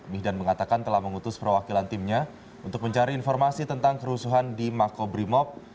mihdan mengatakan telah mengutus perwakilan timnya untuk mencari informasi tentang kerusuhan di makobrimob